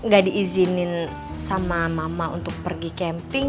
gak diizinin sama mama untuk pergi camping